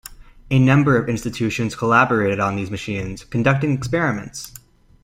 A number of institutions collaborated on these machines, conducting experiments.